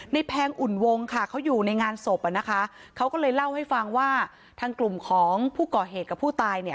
แพงอุ่นวงค่ะเขาอยู่ในงานศพอ่ะนะคะเขาก็เลยเล่าให้ฟังว่าทางกลุ่มของผู้ก่อเหตุกับผู้ตายเนี่ย